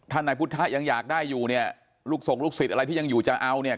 ถ้านายพุทธะยังอยากได้อยู่เนี่ยลูกส่งลูกศิษย์อะไรที่ยังอยู่จะเอาเนี่ย